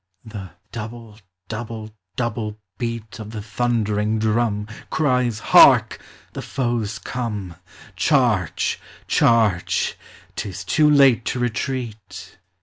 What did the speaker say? The double double double beat Of the thundering drum Cries, Hark I the foes com* j Charge, charge, >t is ton late to retreat!